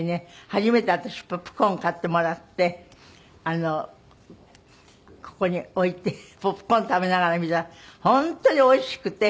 初めて私ポップコーンを買ってもらってここに置いてポップコーンを食べながら見たら本当においしくて。